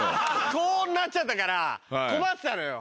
こうなっちゃったから困ってたのよ。